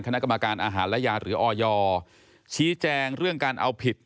คณะกรรมการอาหารและยาหรือออยชี้แจงเรื่องการเอาผิด